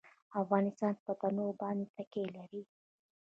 افغانستان په تنوع باندې تکیه لري.